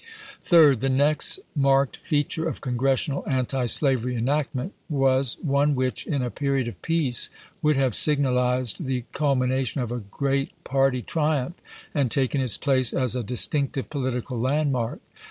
Third. The next marked feature of Congressional antislavery enactment was one which, in a period of peace, would have signalized the culmination of a great party triumph and taken its place as a dis tinctive political landmark.